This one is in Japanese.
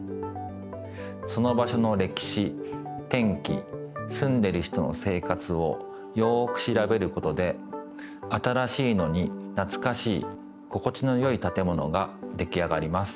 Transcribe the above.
その場しょのれきし天気すんでる人の生活をよくしらべることで新しいのになつかしい心地のよいたてものができあがります。